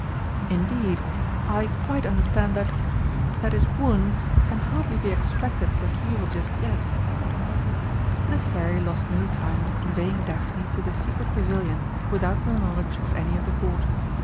"Indeed I quite understand that that his wound can hardly be expected to heal just yet." The Fairy lost no time in conveying Daphne to the secret pavilion without the knowledge of any of the Court.